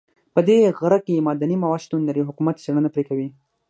په دې غره کې معدني مواد شتون لري او حکومت څېړنه پرې کوي